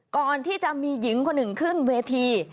ก่อนที่จะมีหญิงคนหนึ่งขึ้นเวที